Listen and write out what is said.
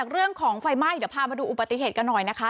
เรื่องของไฟไหม้เดี๋ยวพามาดูอุปติเหตุกันหน่อยนะคะ